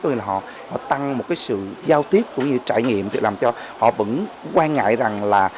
có nghĩa là họ tăng một cái sự giao tiếp cũng như trải nghiệm làm cho họ vẫn quan ngại rằng là